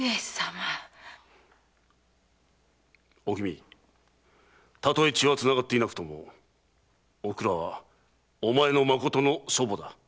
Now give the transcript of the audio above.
おきみたとえ血はつながっていなくともおくらはお前のまことの祖母だ。